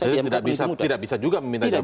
jadi tidak bisa juga meminta jabatan